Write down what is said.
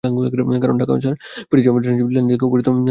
কারণ ঢাকা ওয়াসার ফেটে যাওয়া ড্রেনেজ লাইন থেকে অবিরত ময়লা পানি বেরোয়।